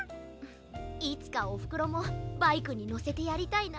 いつかおふくろもバイクにのせてやりたいな。